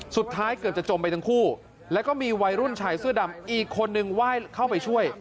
เกือบจะจมไปทั้งคู่แล้วก็มีวัยรุ่นชายเสื้อดำอีกคนนึงไหว้เข้าไปช่วย